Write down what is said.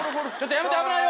やめて危ないよ！